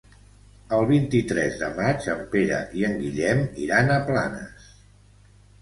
El vint-i-tres de maig en Pere i en Guillem iran a Planes.